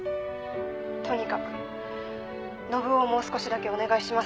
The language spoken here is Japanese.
とにかく信男をもう少しだけお願いします。